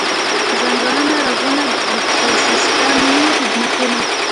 ځنګلونو رغونه د ایکوسیستمي خدمتونو.